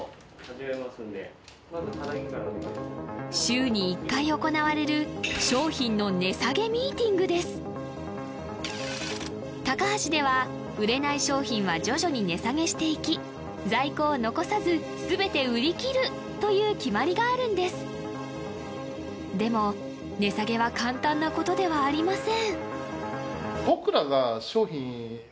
週に一回行われる商品のタカハシでは売れない商品は徐々に値下げしていき在庫を残さず全て売り切る！という決まりがあるんですでも値下げは簡単なことではありません